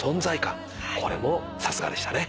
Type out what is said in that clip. これもさすがでしたね。